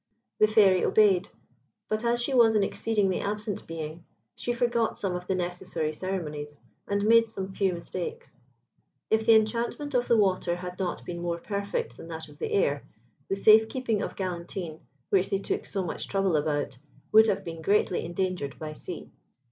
The Fairy obeyed; but as she was an exceedingly absent being, she forgot some of the necessary ceremonies, and made some few mistakes. If the enchantment of the water had not been more perfect than that of the air, the safe keeping of Galantine, which they took so much trouble about, would have been greatly endangered by sea.